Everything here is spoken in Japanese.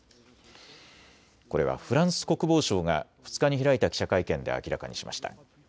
これはフランス国防省が２日に開いた記者会見で明らかにしました。